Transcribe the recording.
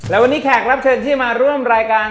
และวันนี้แขกรับเชิญที่มาร่วมรายการ